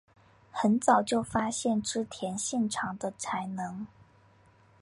很早就发现织田信长的才能。